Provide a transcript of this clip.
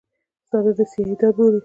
ځانونه سیدان بولي.